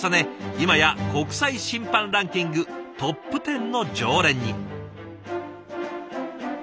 今や国際審判ランキングトップテンの常連に。